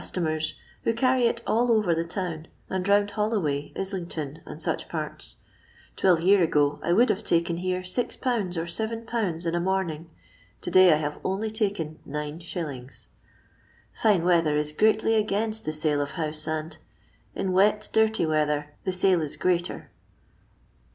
it'«mer8, who carry it all over the town, 9S» round Hollo way, Islington, and such parts. Tv^l^ year ago I would have taken here 8/. or 7/. i^ * morning, to day I have only taken 9i. ^*J* weather is greatly against the sale of houfe^>»di in Wft, dirty weather, the sale is greater."